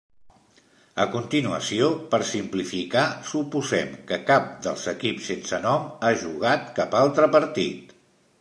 A continuació, per simplificar, suposem que cap dels equips sense nom ha jugat cap altre partit.